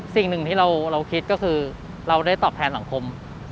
สิ่งหนึ่งที่เราคิดก็คือเราได้ตอบแทนสังคม